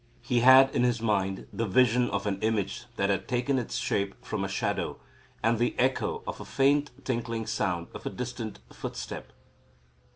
He had in his mind the vision of an image that had taken its shape from a shadow, and the echo of a faint tinkling sound of a distant footstep.